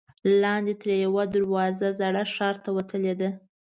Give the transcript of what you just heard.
لاندې ترې یوه دروازه زاړه ښار ته وتلې ده.